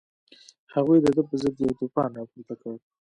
هغوی د ده په ضد یو توپان راپورته کړ.